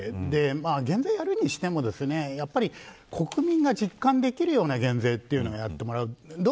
減税をやるにしても国民が実感できるような減税というのをやってもらう。